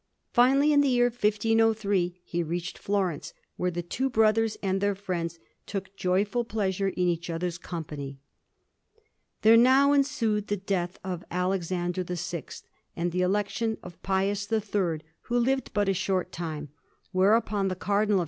Finally, in the year 1503, he reached Florence, where the two brothers and their friends took joyful pleasure in each other's company. There now ensued the death of Alexander VI, and the election of Pius III, who lived but a short time; whereupon the Cardinal of S.